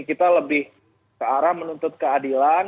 kita lebih ke arah menuntut keadilan